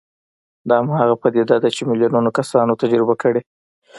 دا هماغه پدیده ده چې میلیونونه کسانو تجربه کړې